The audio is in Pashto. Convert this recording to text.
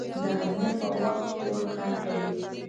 د غرمې په وخت ټول کار کوي